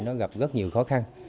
nó gặp rất nhiều khó khăn